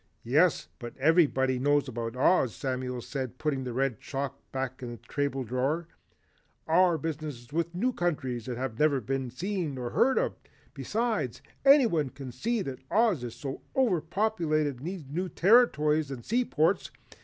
"Yes, but everybody knows about Oz," Samuel said putting the red chalk back in the table drawer. "Our business is with wild new countries that have never been seen or heard of. Besides, anyone can see that Oz is overpopulated and needs new territories and sea ports.